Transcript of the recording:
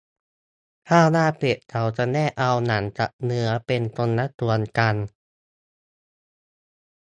ข้าวหน้าเป็ด เขาจะแยกเอาหนังกับเนื้อเป็นคนละส่วนกัน